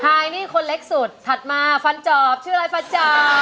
ชายนี่คนเล็กสุดถัดมาฟันจอบชื่ออะไรฟันจอบ